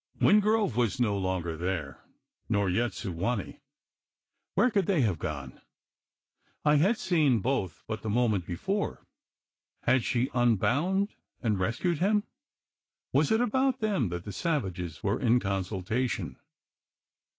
Wingrove was no longer there; nor yet Su wa nee! Where could they have gone? I had seen both but the moment before! Had she unbound, and rescued him? Was it about them that the savages were in consultation?